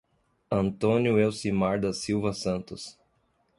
Antônio Elcimar da Silva Santos